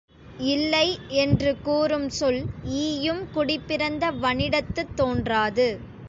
இல்லை என்று கூறும் சொல் ஈயும் குடிப்பிறந்த வனிடத்துத் தோன்றாது.